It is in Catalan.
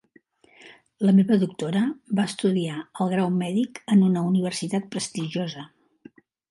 La meva doctora va estudiar el grau mèdic en una universitat prestigiosa.